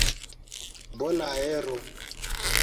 bonaero